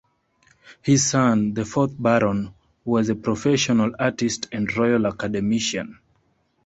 His son, the fourth Baron, was a professional artist and Royal Academician.